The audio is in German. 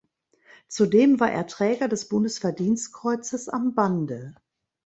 Zudem war er Träger des Bundesverdienstkreuzes am Bande.